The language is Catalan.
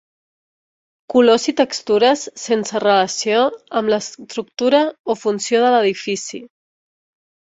Colors i textures sense relació amb l'estructura o funció de l'edifici.